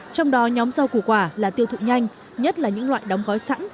trong đó nhóm rau củ quả là tiêu thụ nhanh nhất là những loại đóng gói sẵn